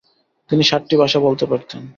তিনি সাতটি ভাষা বলতে পারতেন।